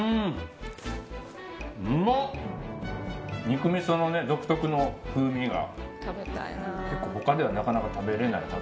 肉みその独特の風味が結構他ではなかなか食べれない。